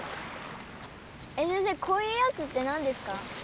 先生こういうやつって何ですか？